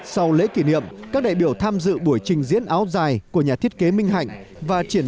sau lễ kỷ niệm các đại biểu tham dự buổi trình diễn áo dài của nhà thiết kế minh hạnh và triển